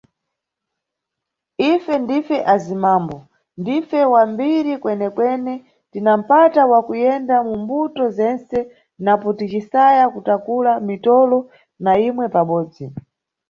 Ife ndife azimambo, ndife wa mbiri kwene-kwene tina mpata wa kuyenda mu mbuto zentse napo ticisaya kutakula mitolo na imwe pabobzi!